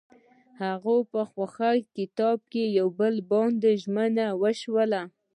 هغوی په خوښ کتاب کې پر بل باندې ژمن شول.